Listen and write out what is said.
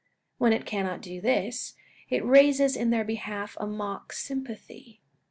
When it cannot do this, it raises in their behalf a mock sympathy.